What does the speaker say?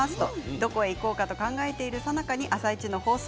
どこ行こうかと考えているさなかに「あさイチ」の放送。